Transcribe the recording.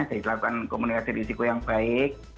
dilakukan komunikasi risiko yang baik